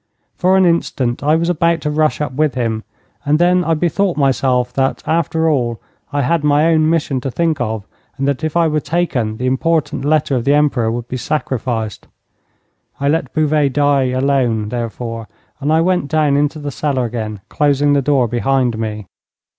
For an instant I was about to rush up with him, and then I bethought myself that, after all, I had my own mission to think of, and that if I were taken the important letter of the Emperor would be sacrificed. I let Bouvet die alone, therefore, and I went down into the cellar again, closing the door behind me.